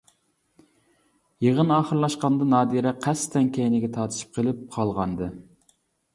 يىغىن ئاخىرلاشقاندا نادىرە قەستەن كەينىگە تارتىشىپ قىلىپ قالغانىدى.